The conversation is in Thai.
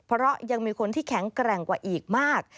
เพราะยังมีคนที่แข็งแกร่งกว่าอีกมาก